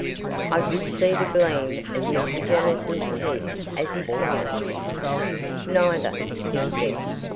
I could see the gleam of Mr. Jamieson's teeth, as he smiled. "Neither," he said.